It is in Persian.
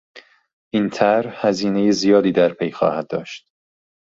این طرح هزینهی زیادی در پی خواهد داشت.